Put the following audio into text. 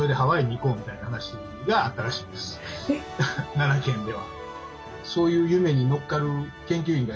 奈良県では。